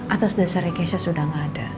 atas dasar rekesha sudah gak ada